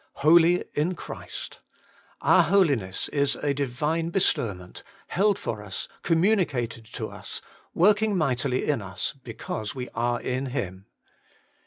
' Holy in Christ :' our holi ness is a Divine bestowment, held for us, communi cated to us, working mightily in us because we are in Him.